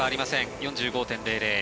４５．００。